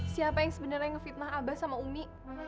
siapa yang sebenarnya ngefitnah abah sama umi